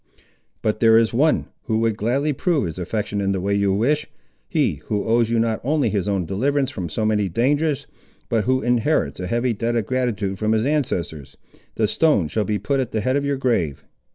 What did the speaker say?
"But there is one, who would gladly prove his affection in the way you wish; he, who owes you not only his own deliverance from so many dangers, but who inherits a heavy debt of gratitude from his ancestors. The stone shall be put at the head of your grave."